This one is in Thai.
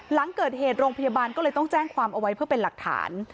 หลังเกิดเหตุโรงพยาบาลก็เลยต้องแจ้งความเอาไว้เพื่อเป็นหลักฐาน